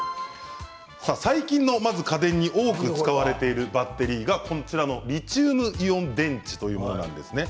最近の家電に多く使われているバッテリーはこちらのリチウムイオン電池というものなんです。